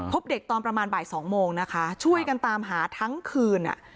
พบเด็กตอนประมาณบ่ายสองโมงนะคะช่วยกันตามหาทั้งคืน